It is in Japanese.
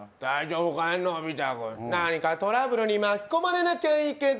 のび太君、何かトラブルに巻き込まれなくていいけど。